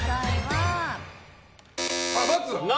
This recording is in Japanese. ×！